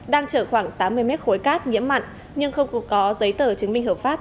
đang chở khoảng tám mươi mét khối cát nhiễm mặn nhưng không có giấy tờ chứng minh hợp pháp